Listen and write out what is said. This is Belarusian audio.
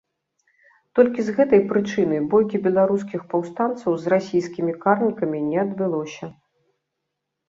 Толькі з гэтай прычыны бойкі беларускіх паўстанцаў з расійскімі карнікамі не адбылося.